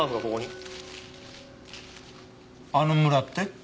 あの村って？